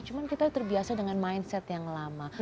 cuman kita terbiasa dengan mindset yang lama